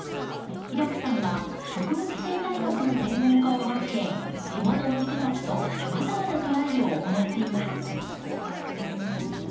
平工さんは植物生態学の専門家を交え地元の人たちとさまざまなトライを行っています。